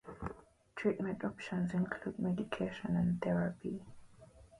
Treatment options include medication and therapy.